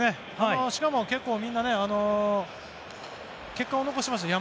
しかも結構みんな結果を残しましたよね。